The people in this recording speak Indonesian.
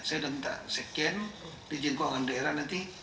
saya sudah minta sekian di jengkauangan daerah nanti